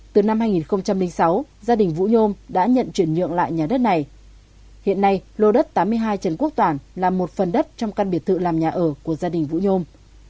từ năm hai nghìn sáu gia đình vũ nhôm đã nhận chuyển nhượng lại nhà đất này hiện nay lô đất tám mươi hai trần quốc toàn là một phần đất trong căn biệt thự làm nhà ở của gia đình vũ nhôm